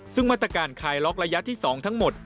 ซึ่งมาตรการคลายล็อกระยะที่๒ทั้งหมด